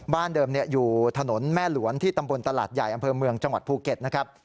เดิมอยู่ถนนแม่หลวนที่ตำบลตลาดใหญ่อำเภอเมืองจังหวัดภูเก็ตนะครับ